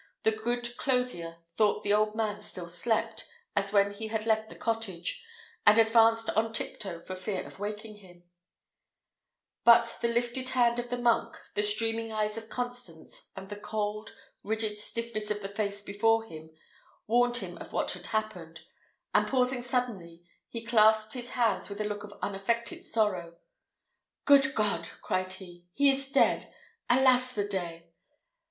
The good clothier thought the old man still slept, as when he had left the cottage, and advanced on tiptoe for fear of waking him; but the lifted hand of the monk, the streaming eyes of Constance, and the cold, rigid stiffness of the face before him, warned him of what had happened; and pausing suddenly, he clasped his hands with a look of unaffected sorrow. "Good God!" cried he, "he is dead! Alas the day!"